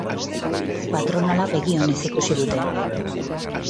Patronala begi onez ikusi dute.